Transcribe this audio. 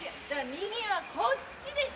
右はこっちでしょ。